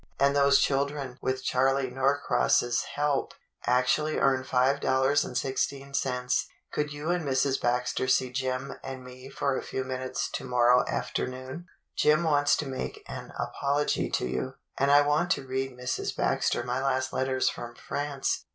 And those children, with Charley Norcross's help, actu ally earned five dollars and sixteen cents. Could you and Mrs. Baxter see Jim and me for a few minutes to morrow afternoon.^ Jim wants to make an apology to you, and I want to read Mrs. Baxter my last letters from France.